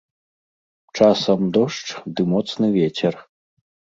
Часам дождж ды моцны вецер.